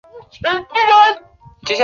母封余姚县君。